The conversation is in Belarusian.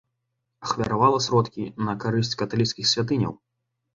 Ахвяравала сродкі на карысць каталіцкіх святыняў.